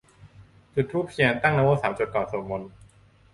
จุดธูปเทียน ตั้งนะโมสามจบ ก่อนสวดมนต์